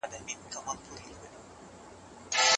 دا لوبه د ټیمي کار او یووالي نښه ده.